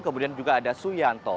kemudian juga ada suyanto